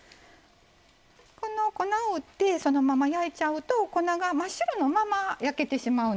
粉を打ってそのまま焼いちゃうと粉が真っ白のまま焼けてしまうのでね